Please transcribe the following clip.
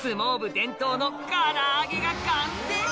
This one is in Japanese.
伝統の唐揚げが完成！